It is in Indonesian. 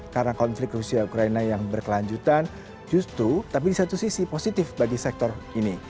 karena konflik rusia ukraine yang berkelanjutan justru tapi di satu sisi positif bagi sektor ini